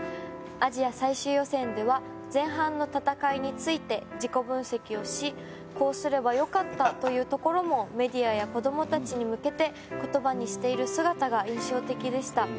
アジア最終予選では前半の戦いについて自己分析をしこうすればよかったというところもメディアや子どもたちに向けて言葉にしている姿が印象的でした。